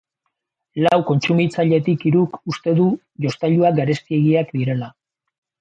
Lau kontsumitzailetik hiruk uste dute jostailuak garestiegiak direla.